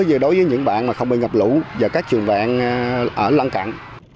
như đối với những bạn mà không bị ngập lũ và các trường vạn ở lăng cạn